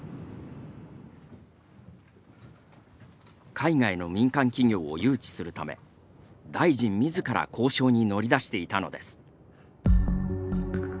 海外の民間企業を誘致するため大臣自ら交渉に乗り出していたのです。